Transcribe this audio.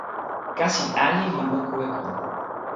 kasi ali o moku e kon.